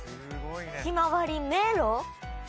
ひまわり迷路。